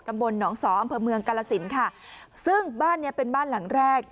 ตำบลหนองสออำเภอเมืองกาลสินค่ะซึ่งบ้านเนี้ยเป็นบ้านหลังแรก